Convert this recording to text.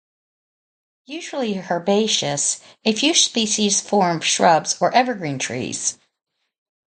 Usually herbaceous, a few species form shrubs or evergreen trees.